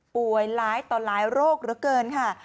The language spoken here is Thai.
ป่วยร้ายต่อร้ายโรคเหลือเกินค่ะ